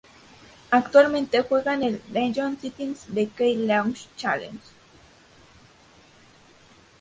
Actualmente juega en el Daejeon Citizen de la K League Challenge.